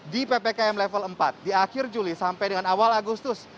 di ppkm level empat di akhir juli sampai dengan awal agustus